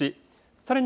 さらに